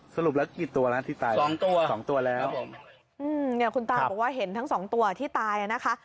สรุปแล้วกี่ตัวที่ตาย๒ตัวแล้วคุณตาบอกว่าเห็นทั้ง๒ตัวที่ตายนะคะ